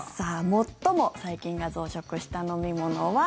最も細菌が増殖した飲み物は。